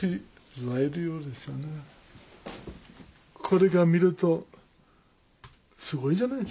これが見るとすごいじゃない。